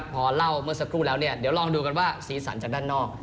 พอเล่าเมื่อสักครู่แล้วลองดูกันว่าสีสันจากด้านนอก